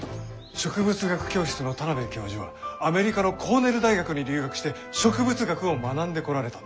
植物学教室の田邊教授はアメリカのコーネル大学に留学して植物学を学んでこられたんだ。